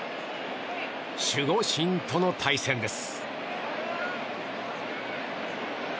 守護神との対戦です。